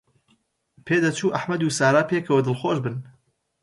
پێدەچوو ئەحمەد و سارا پێکەوە دڵخۆش بن.